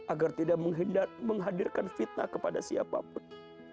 agar tidak menghadirkan fitnah kepada siapapun